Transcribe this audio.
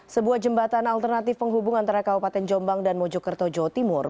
sebuah jembatan alternatif penghubung antara kabupaten jombang dan mojokerto jawa timur